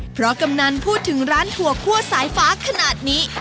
เพราะกำนันพูดถึงร้านถั่วคั่วสายฟ้าขนาดนี้